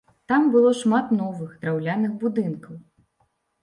Там было шмат новых драўляных будынкаў.